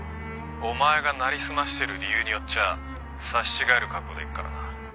「お前がなりすましてる理由によっちゃ刺し違える覚悟でいくからな」